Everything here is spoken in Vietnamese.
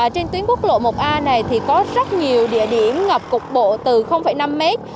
trên tuyến quốc lộ một a này có rất nhiều địa điểm ngập cục bộ từ năm m